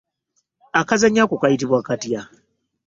Akazannyo ako kayitibwa kyatya?